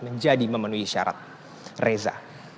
dan juga kekacauan dari pihak kpu